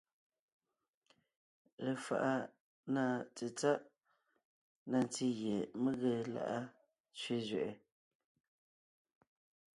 Lefaʼa na tsetsáʼ na ntí gie mé ge lá’a tsẅé zẅɛʼɛ: